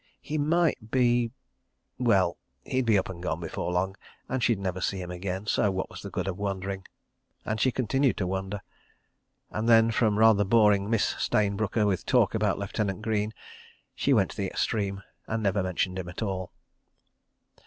He might be. ... Well—he'd be up and gone before long, and she'd never see him again, so what was the good of wondering. ... And she continued to wonder. ... And then, from rather boring Miss Stayne Brooker with talk about Lieutenant Greene she went to the extreme, and never mentioned him at all.